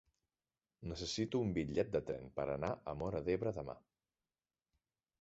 Necessito un bitllet de tren per anar a Móra d'Ebre demà.